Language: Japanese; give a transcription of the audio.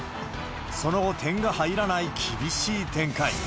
その後、点が入らない厳しい展開。